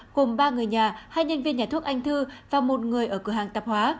gồm ba người nhà hai nhân viên nhà thuốc anh thư và một người ở cửa hàng tạp hóa